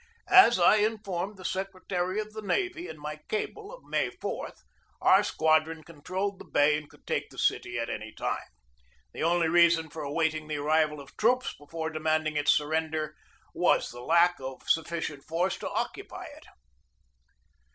As I informed the secretary of the navy in my cable of May 4, our squadron controlled the bay and could take the city at any time. The only reason for awaiting the arrival of troops before de manding its surrender was the lack of sufficient force to occupy it.